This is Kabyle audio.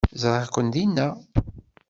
Ẓriɣ-ken dinna.